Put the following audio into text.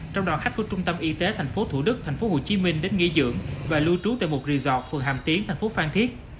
trong đoàn khách của trung tâm y tế thành phố thủ đức thành phố hồ chí minh đến nghỉ dưỡng và lưu trú tại một resort phường hàm tiến thành phố phan thiết